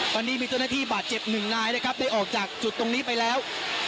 ตอนนี้มีเจ้าหน้าที่บาดเจ็บหนึ่งนายนะครับได้ออกจากจุดตรงนี้ไปแล้ว